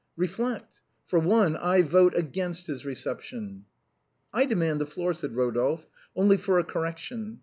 Reflect! For one, I vote against his reception." " I demand the floor," said Rodolphe, "only for a cor rection.